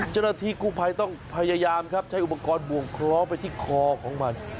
จนดังที่กูภัยต้องพยายามใช้อุปกรณ์บวงคล้อไปที่คอของมัน